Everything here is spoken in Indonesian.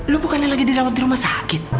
lo bukannya lagi dirawat di rumah sakit